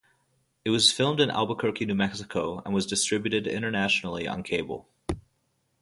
It was filmed in Albuquerque, New Mexico and was distributed internationally on cable.